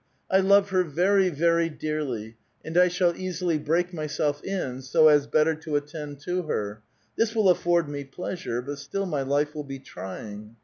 *I love her very, very dearly, and 1 shall easily break raj'self in, so as better to attend to her ; this will afford me pleasure, but still my life will be trying.'